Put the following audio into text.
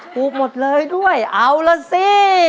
ถูกหมดเลยด้วยเอาล่ะสิ